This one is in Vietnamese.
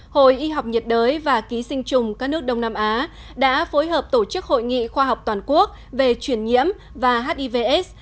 hội y học nhiệt đới và ký sinh trùng các nước đông nam á đã phối hợp tổ chức hội nghị khoa học toàn quốc về chuyển nhiễm và hivs